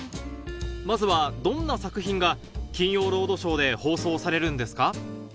まずはどんな作品が『金曜ロードショー』で放送されるんですか？